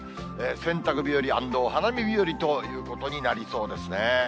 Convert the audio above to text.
洗濯日和＆お花見日和ということになりそうですね。